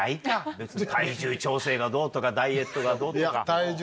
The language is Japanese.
別に体重調整がどうとかダイエットがどうとか。